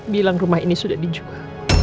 bilang rumah ini sudah dijual